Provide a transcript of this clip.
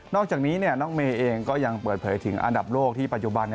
อกจากนี้น้องเมย์เองก็ยังเปิดเผยถึงอันดับโลกที่ปัจจุบัน